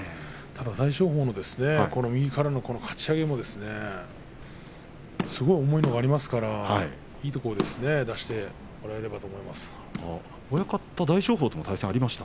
ただ大翔鵬も右からのかち上げすごい重いものがありますからいいところを出してもらえればと思います。